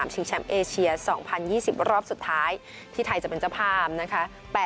ชิงแชมป์เอเชีย๒๐๒๐รอบสุดท้ายที่ไทยจะเป็นเจ้าภาพนะคะ